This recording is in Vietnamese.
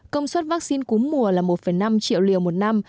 công suất vaccine cúm mùa là một năm triệu liều một năm